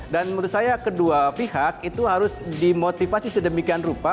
dan menurut saya kedua pihak itu harus dimotivasi sedemikian rupa